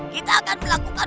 kita akan melakukan